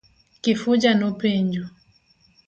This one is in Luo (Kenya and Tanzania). Kifuja no penjo.